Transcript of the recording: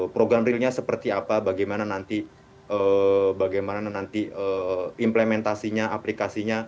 program realnya seperti apa bagaimana nanti implementasinya aplikasinya